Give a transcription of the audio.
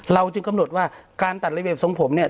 จึงกำหนดว่าการตัดระเบียบทรงผมเนี่ย